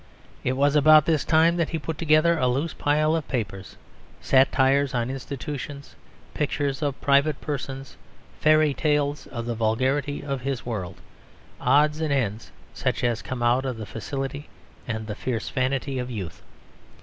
It was about this time that he put together a loose pile of papers, satires on institutions, pictures of private persons, fairy tales of the vulgarity of his world, odds and ends such as come out of the facility and the fierce vanity of youth.